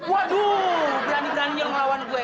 waduh berani beraninya lo ngelawan gue